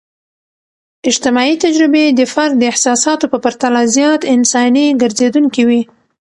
اجتماعي تجربې د فرد د احساساتو په پرتله زیات انساني ګرځیدونکي وي.